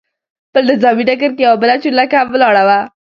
پر نظامي ډګر کې یوه بله چورلکه هم ولاړه وه.